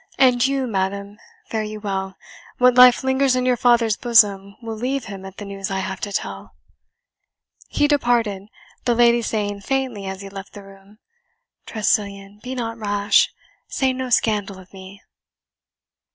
"And you, madam, fare you well what life lingers in your father's bosom will leave him at the news I have to tell." He departed, the lady saying faintly as he left the room, "Tressilian, be not rash say no scandal of me."